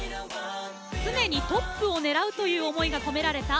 常にトップを狙うという思いが込められたＢＥ：ＦＩＲＳＴ。